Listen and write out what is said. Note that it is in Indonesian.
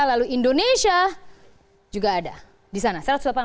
lalu indonesia juga ada di sana